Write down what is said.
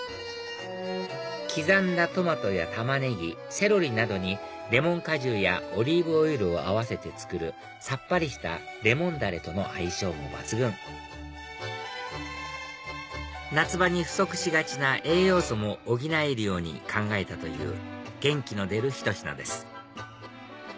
刻んだトマトやタマネギセロリなどにレモン果汁やオリーブオイルを合わせて作るさっぱりしたレモンだれとの相性も抜群夏場に不足しがちな栄養素も補えるように考えたという元気の出るひと品です